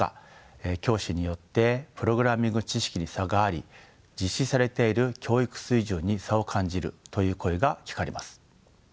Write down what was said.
教師によってプログラミング知識に差があり実施されている教育水準に差を感じるという声が聞かれます。